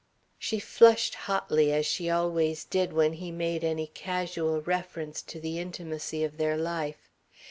She flushed hotly, as she always did when he made any casual reference to the intimacy of their life.